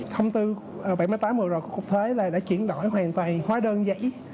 thông tư bảy mươi tám vừa rồi cục thuế là đã chuyển đổi hoàn toàn hóa đơn giấy